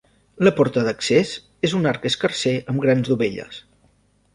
La porta d'accés és un arc escarser amb grans dovelles.